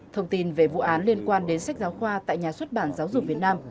thông tin về vụ án liên quan đến sách giáo khoa tại nhà xuất bản giáo dục việt nam